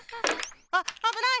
あっあぶない！